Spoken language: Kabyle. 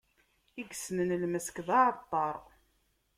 I yessnen lmesk, d aɛeṭṭaṛ.